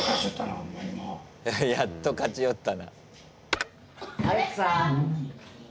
「やっと勝ちよったな」。